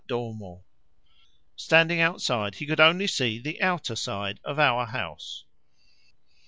Standing outside, he could only see the outer side of our house.